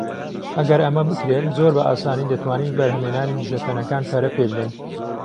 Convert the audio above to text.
ئەگەر ئەمە بکرێت، زۆر بە ئاسانی دەتوانین بەرهەمهێنانی دژەتەنەکان پەرە پێبدەین.